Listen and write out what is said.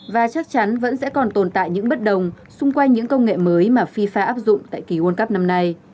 và chắc chắn vẫn sẽ còn tồn tại những bất đồng xung quanh những công nghệ mới mà fifa áp dụng tại kỳ world cup năm nay